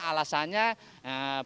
alasannya punya masalah